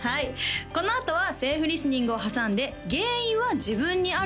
このあとはセーフリスニングを挟んで原因は自分にある。